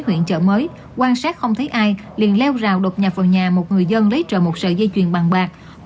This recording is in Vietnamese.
huyện chợ mới quan sát không thấy ai liền leo rào đột nhập vào nhà một người dân lấy trò một sợi dây chuyền bàn bạc